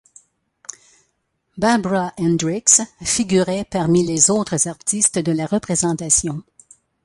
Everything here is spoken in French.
Barbara Hendricks figurait parmi les autres artistes de la représentation.